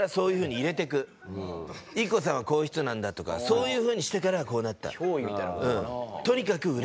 ＩＫＫＯさんはこういう人なんだとかそういうふうにしてからこうなった。